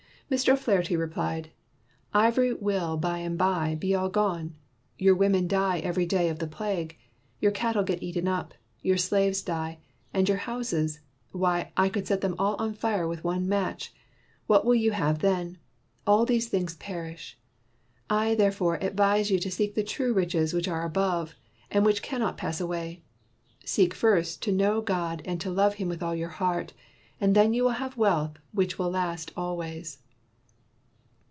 '' Mr. 'Flaherty replied, "Ivory will by and by be all gone; your women die every day of the plague ; your cattle get eaten up ; your slaves die; and your houses, why I could set them all on fire with one match. What will you have then % All these things perish. I, therefore, advise you to seek the true riches which are above, and which can not pass away. Seek first to know God and to love him with all your heart, and then you will have wealth which will last al ways."